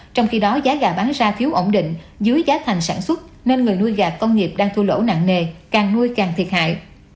trong khi đó giá gà bán ra thiếu ổn định dưới giá thành sản xuất nên người nuôi gà công nghiệp đang thua lỗ nặng nề càng nuôi càng thiệt hại